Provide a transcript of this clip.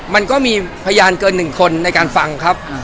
มันก็มีพยานเกิน๑คนในการฟังครับ